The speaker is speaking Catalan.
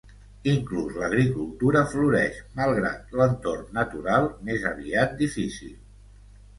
Inclús l'agricultura floreix malgrat l'entorn natural més aviat difícil.